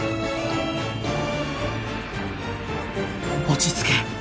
落ち着け